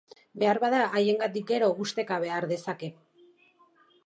Beharbada haiengandik gero ustekabea har dezake.